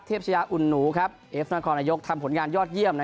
เทพชยาอุ่นหนูครับเอฟนครนยกทำผลงานยอดเยี่ยมนะ